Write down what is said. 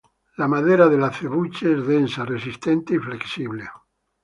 La madera del acebuche es densa, resistente y flexible.